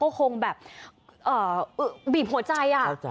ก็คงแบบอื้อบีบหัวใจอะ